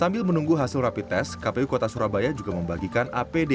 sambil menunggu hasil rapi tes kpu kota surabaya juga membagikan apd